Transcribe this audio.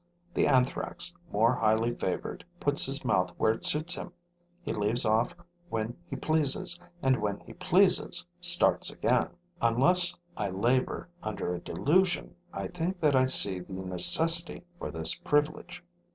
The Anthrax, more highly favored, puts his mouth where it suits him; he leaves off when he pleases and when he pleases starts again. Unless I labor under a delusion, I think that I see the necessity for this privilege.